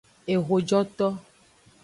Ehojoto.